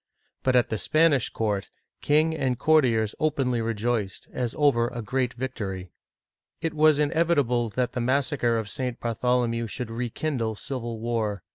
But at the Spanish court, king and courtiers openly rejoiced, as over a great victory. It was inevitable that the massacre of St. Bartholomew should rekindle civil war.